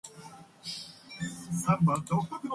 As a result, he is treated as insignificant and disposable.